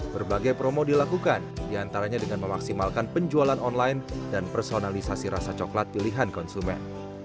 berbagai promo dilakukan diantaranya dengan memaksimalkan penjualan online dan personalisasi rasa coklat pilihan konsumen